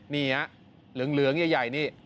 นี่ลึงถึงใหญ่นี่